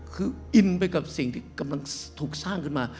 คืออินไปกับสิ่งที่กำลังถูกสร้างขึ้นมา